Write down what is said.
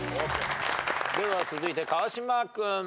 では続いて川島君。